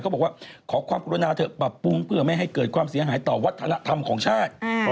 บอกว่าขอความกรุณาเถอะปรับปรุงเพื่อไม่ให้เกิดความเสียหายต่อวัฒนธรรมของชาติ